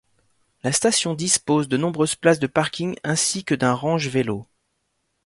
La station dispose de nombreuses places de parking ainsi que d'un range-vélos.